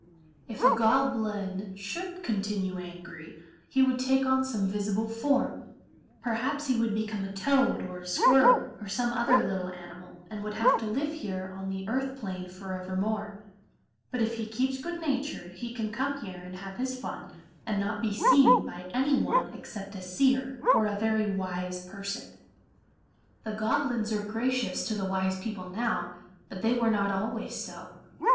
If a Goblin should continue angry he would take on some visible form. Perhaps he would become a toad or a squirrel, or some other little animal, and would have to live here on the Earth plane forevermore. But, if he keeps good natured, he can come here and have his fun, and not be seen by any one except a Seer, or very wise person. The Goblins are gracious to the wise people now, but they were not always so.